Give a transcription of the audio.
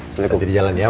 sampai jumpa di jalan ya